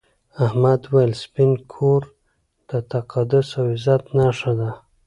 احمد وویل سپین کور د تقدس او عزت نښه ده.